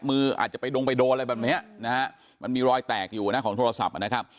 อาจจะไปดงไปโดนอะไรแบบเนี้ยนะฮะมันมีรอยแตกอยู่นะของโทรศัพท์นะครับ